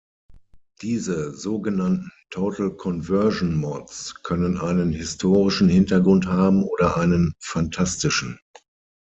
Diese so genannten Total Conversion Mods können einen historischen Hintergrund haben oder einen phantastischen.